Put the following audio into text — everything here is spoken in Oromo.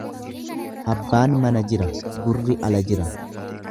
Abbaan mana jira gurri ala jira.